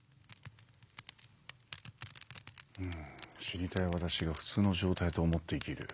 死にたい私が普通の状態と思って生きる。